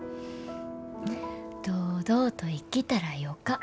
堂々と生きたらよか。